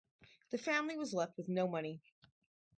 The family was left with no money.